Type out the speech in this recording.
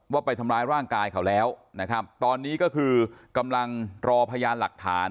ไปทำร้ายร่างกายเขาแล้วนะครับตอนนี้ก็คือกำลังรอพยานหลักฐาน